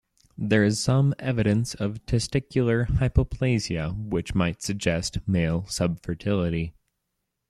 There is some evidence of testicular hypoplasia which might suggest male subfertility.